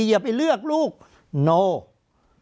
อย่าไปเลือกลูกโน